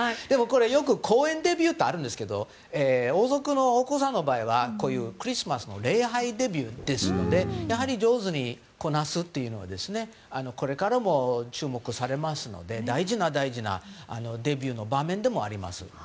よく公園デビューとあるんですが王族のお子さんの場合はクリスマスの礼拝デビューですので上手にこなすというのはこれからも注目されますので大事な大事なデビューの場面でもあります。